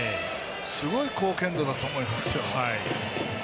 すごい貢献度だと思いますよ。